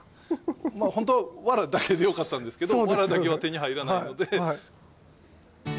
まあほんとはワラだけでよかったんですけどワラだけは手に入らないので。